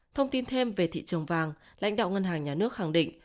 thông tin thêm về thị trường vàng lãnh đạo ngân hàng nhà nước khẳng định